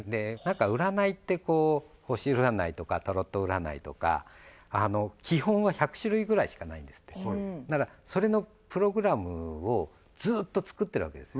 占いって星占いとかタロット占いとか基本は１００種類ぐらいしかないんですってだからそれのプログラムをずっと作ってるわけです